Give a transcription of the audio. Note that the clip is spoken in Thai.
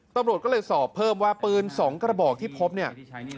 ตำรวจก็เลยสอบเพิ่มว่าปืน๒กระบอกที่พบเนี่ย